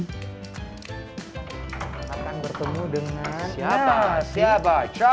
kita akan bertemu dengan siapa siapa